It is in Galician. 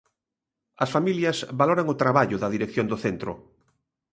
As familias valoran o traballo da dirección do centro.